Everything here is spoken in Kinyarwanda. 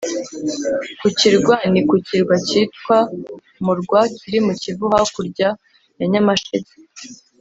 ku kirwa: ni ku kirwa kitwa murwa kiri mu kivu hakurya ya nyamasheke,